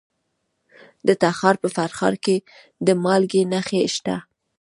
د تخار په فرخار کې د مالګې نښې شته.